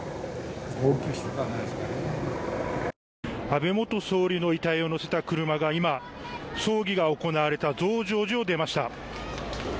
安倍元総理の遺体を乗せた車が、今、葬儀が行われた増上寺を出ました。